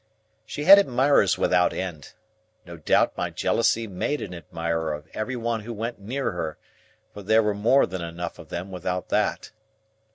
She had admirers without end. No doubt my jealousy made an admirer of every one who went near her; but there were more than enough of them without that.